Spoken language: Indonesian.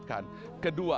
ketika kita memiliki kesatuan